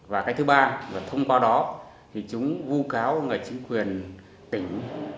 và cách thứ ba là thông qua đó thì chúng vô cáo người chính quyền tỉnh